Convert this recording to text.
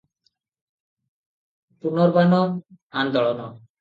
ପୁନର୍ବାର ଆନ୍ଦୋଳନ ।